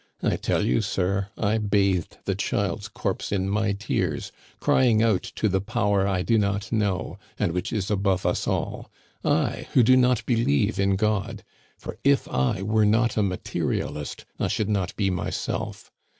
I tell you, sir, I bathed the child's corpse in my tears, crying out to the Power I do not know, and which is above us all! I, who do not believe in God! (For if I were not a materialist, I should not be myself.)